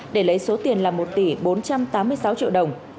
để lấy số tiền là một tỷ bốn trăm tám mươi sáu triệu đồng